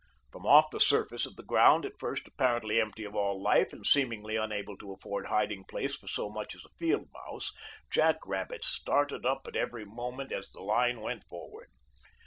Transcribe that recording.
From off the surface of the ground, at first apparently empty of all life, and seemingly unable to afford hiding place for so much as a field mouse, jack rabbits started up at every moment as the line went forward.